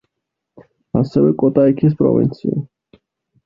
ასევე კოტაიქის პროვინცია.